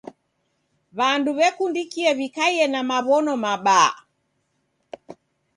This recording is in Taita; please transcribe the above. W'andu w'ekundikia w'ikaie na maw'ono mabaa.